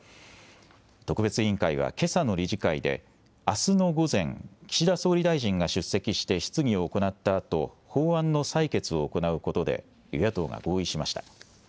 特別委員会はけさの理事会で、あすの午前、岸田総理大臣が出席して質疑を行ったあと、法案の採決を行うことで、与野党が合意しました。